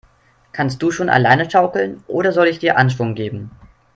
Kannst du schon alleine schaukeln, oder soll ich dir Anschwung geben?